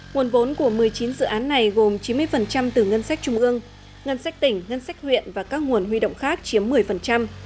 nguồn vốn của một mươi chín dự án này gồm chín mươi từ ngân sách trung ương ngân sách tỉnh ngân sách huyện và các nguồn huy động khác chiếm một mươi